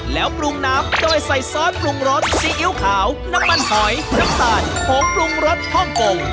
แล้วปรุงน้ำโดยใส่ซอสปรุงรสซีอิ๊วขาวน้ำมันหอยน้ำตาลผงปรุงรสฮ่องกง